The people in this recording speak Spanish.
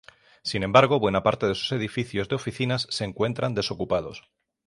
Sin embargo buena parte de sus edificios de oficinas se encuentran desocupados.